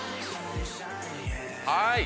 はい。